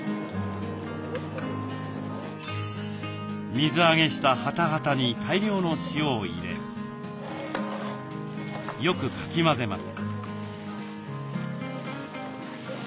水揚げしたはたはたに大量の塩を入れよくかき混ぜます。